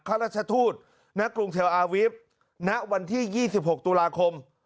ข้าราชทูตณกรุงเทลอาวิฟต์ณวันที่๒๖ตุลาคม